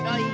はい！